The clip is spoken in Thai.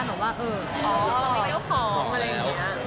สมมุติว่าเออเป็นเก้าของอะไรอย่างนี้